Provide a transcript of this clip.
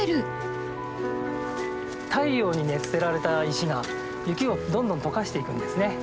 太陽に熱せられた石が雪をどんどん解かしていくんですね。